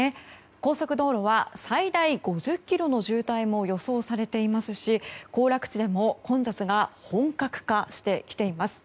高速道路は最大５０ｋｍの渋滞も予想されていますし行楽地でも混雑が本格化してきています。